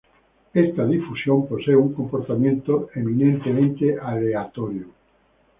Esta difusión posee un comportamiento eminentemente aleatorio.